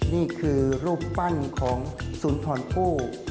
นี่คือรูปปั้นของสุนทรผู้